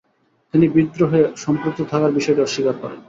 তিনি বিদ্রোহে সম্পৃক্ত থাকার বিষয়টি অস্বীকার করেন।